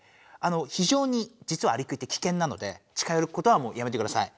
ひじょうにじつはアリクイってきけんなので近よることはもうやめてください。